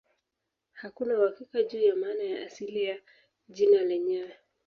Hakuna uhakika juu ya maana ya asili ya jina lenyewe.